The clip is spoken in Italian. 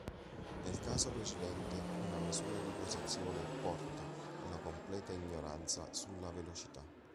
Nel caso precedente, una misura di posizione porta alla completa ignoranza sulla velocità.